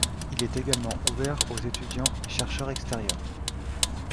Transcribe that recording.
Il est également ouvert aux étudiants et chercheurs extérieurs.